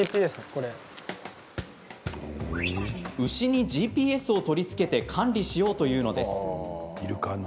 牛にＧＰＳを取り付けて管理しようというのです。